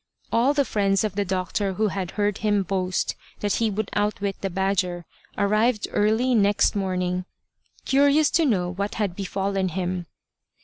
All the friends of the doctor who had heard him boast that he would outwit the badger, arrived early next morning, curious to know what had befallen him.